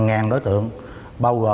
như mò kim đáy bể